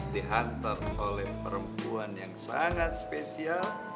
dihantar oleh perempuan yang sangat spesial